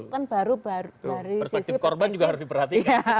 perspektif korban juga harus diperhatikan